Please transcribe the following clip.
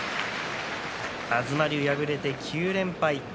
東龍、敗れて９連敗。